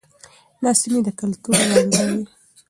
دا سیمې د کلتور زانګو وې.